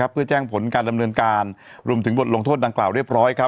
เพื่อแจ้งผลการดำเนินการรวมถึงบทลงโทษดังกล่าวเรียบร้อย